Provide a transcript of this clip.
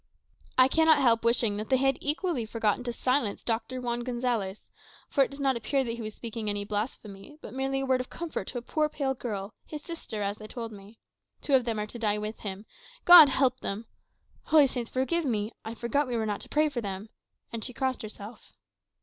I cannot help wishing they had equally forgotten to silence Doctor Juan Gonzales; for it does not appear that he was speaking any blasphemy, but merely a word of comfort to a poor pale girl, his sister, as they told me. Two of them are to die with him God help them! Holy Saints forgive me; I forgot we were told not to pray for them," and she crossed herself.